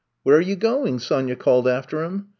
*' Where are you going?" Sonya called after him.